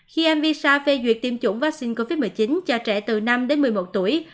khi anvisa phê duyệt tiêm chủng vaccine covid một mươi chín cho trẻ từ năm một mươi một tuổi